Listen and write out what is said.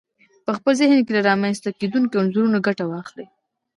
په خپل ذهن کې له رامنځته کېدونکو انځورونو ګټه واخلئ.